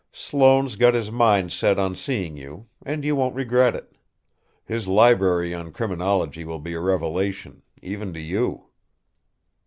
Sloane's got his mind set on seeing you; and you won't regret it. His library on criminology will be a revelation, even to you."